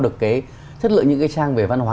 được cái chất lượng những cái trang về văn hóa